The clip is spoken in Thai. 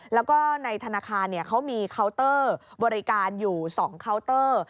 แล้วก็ในธนาคารเขามีเคาน์เตอร์บริการอยู่๒เคาน์เตอร์